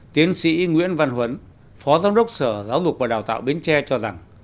tiến sĩ nguyễn văn huấn phó giám đốc sở giáo dục và đào tạo bến tre cho rằng